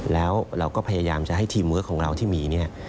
แล้วเราก็พยายามจะให้ทีมเวิร์คของเราที่มีเนี่ย